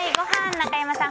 中山さん